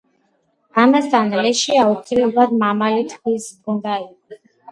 ამასთან, ლეში აუცილებლად მამალი თხის უნდა იყოს.